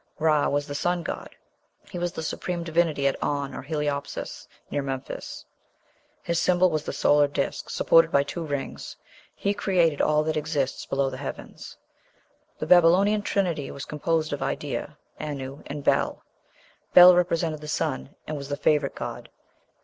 Ra was the sun god. He was the supreme divinity at On, or Heliopolis, near Memphis. His symbol was the solar disk, supported by two rings. He created all that exists below the heavens. The Babylonian trinity was composed of Idea, Anu, and Bel. Bel represented the sun, and was the favorite god.